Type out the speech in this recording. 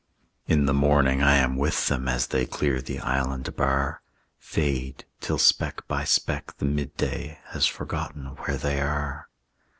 In the morning I am with them As they clear the island bar, Fade, till speck by speck the midday Has forgotten where they are.